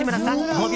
５秒？